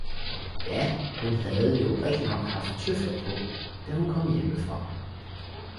Ja hun havde jo rigtignok haft tøfler på, da hun kom hjemme fra